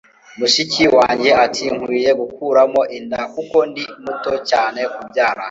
mushiki wanjye ati nkwiye gukuramo inda kuko ndi muto cyane kubyara